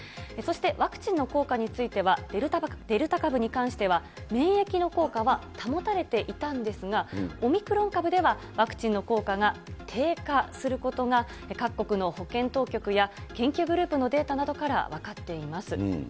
そして、ワクチンの効果については、デルタ株に関しては免疫の効果は保たれていたんですが、オミクロン株では、ワクチンの効果が低下することが各国の保健当局や、研究グループのデータなどから分かっています。